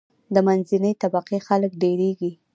د منځنۍ طبقی خلک ډیریږي.